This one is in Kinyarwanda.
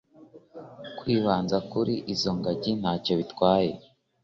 kwibaza kuri izo ngagi ntacyo bitwaye